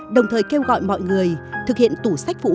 đồng thời kêu gọi mọi người thực hiện tủ sách phụ nữ